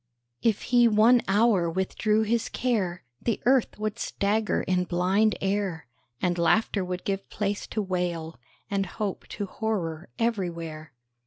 If he one hour withdrew his care The Earth would stagger in blind air, And laughter would give place to wail, And hope to horror, everywhere.